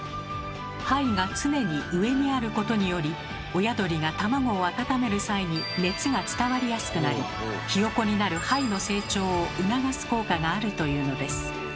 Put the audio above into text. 胚が常に上にあることにより親鳥が卵を温める際に熱が伝わりやすくなりヒヨコになる胚の成長を促す効果があるというのです。